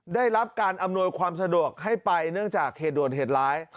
ได้รับการอำนวยความสะดวกให้ไปเนื่องจากเหตุด่วนเหตุร้าย